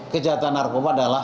kejahatan narkoba adalah musuh